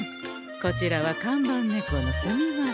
こちらは看板ネコの墨丸。